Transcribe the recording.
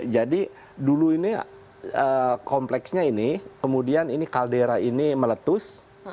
jadi dulu ini kompleksnya ini kemudian ini kaldera ini meletus